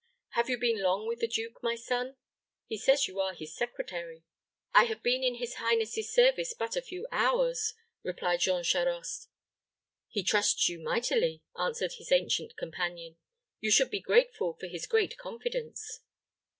Have you been long with the duke, my son? He says you are his secretary." "I have been in his highness's service but a few hours," replied Jean Charost. "He trusts you mightily," answered his ancient companion. "You should be grateful for his great confidence."